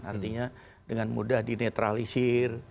artinya dengan mudah dinetralisir